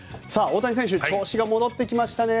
大谷選手調子が戻ってきましたね。